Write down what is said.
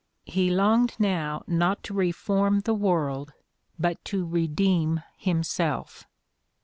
He longed now not to reform the world but to redeem himself.